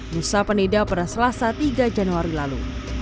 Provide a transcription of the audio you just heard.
nusa penida pada selasa tiga januari lalu